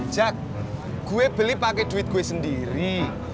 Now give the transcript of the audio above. jak gue beli pakai duit gue sendiri